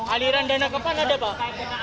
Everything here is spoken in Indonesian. aliran dana ke pan ada pak